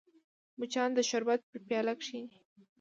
مچان د شربت پر پیاله کښېني